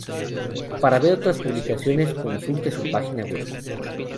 Para ver otras publicaciones consulte su página web.